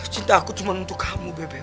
cinta aku cuma untuk kamu bebek